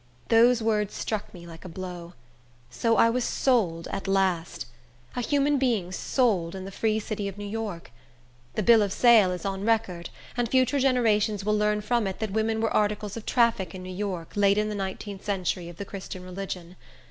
Those words struck me like a blow. So I was sold at last! A human being sold in the free city of New York! The bill of sale is on record, and future generations will learn from it that women were articles of traffic in New York, late in the nineteenth century of the Christian religion.